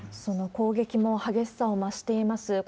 その攻撃も激しさを増しています。